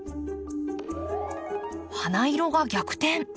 花色が逆転。